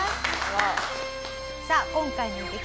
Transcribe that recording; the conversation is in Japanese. さあ今回の激